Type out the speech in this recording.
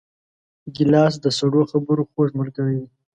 ګیلاس د سړو خبرو خوږ ملګری دی.